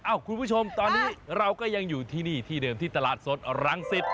คุณผู้ชมตอนนี้เราก็ยังอยู่ที่นี่ที่เดิมที่ตลาดสดรังสิต